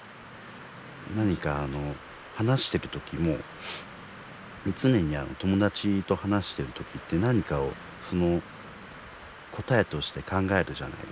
何かあの話してる時も常に友達と話してる時って何かを答えとして考えるじゃないですか。